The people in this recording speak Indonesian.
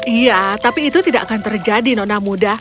iya tapi itu tidak akan terjadi nona muda